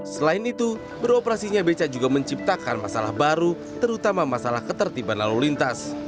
selain itu beroperasinya beca juga menciptakan masalah baru terutama masalah ketertiban lalu lintas